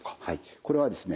これはですね